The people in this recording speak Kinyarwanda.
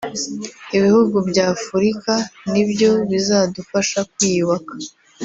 Ibihugu by’Afurika ni byo bizadufasha kwiyubaka